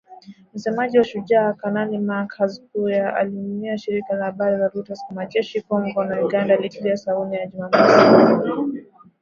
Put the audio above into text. Msemaji wa Shujaa, Kanali Mak Hazukay, aliliambia shirika la habari la Reuters kuwa majeshi ya Kongo na Uganda yalitia saini Juni mosi